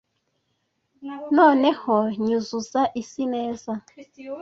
noneho nyuzuza isi neza